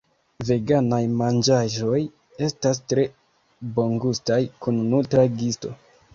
Veganaj manĝaĵoj estas tre bongustaj kun nutra gisto.